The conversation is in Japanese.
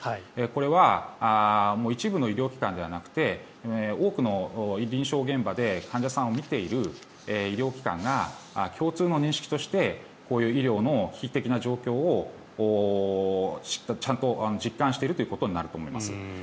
これは一部の医療機関ではなくて多くの臨床現場で患者さんを診ている医療機関が共通の認識としてこういう医療の危機的な状況をちゃんと実感しているということになると思います。